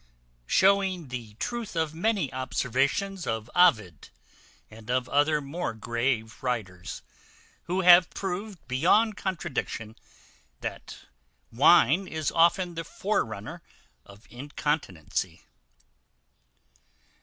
Showing the truth of many observations of Ovid, and of other more grave writers, who have proved beyond contradiction, that wine is often the forerunner of incontinency.